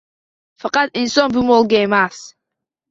Faqat inson bu molga emas